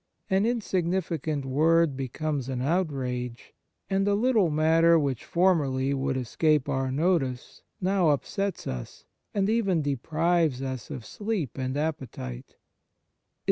An insignificant word becomes an outrage, and a little matter which formerly would escape our notice now upsets us, and even deprives us of sleep and appetite.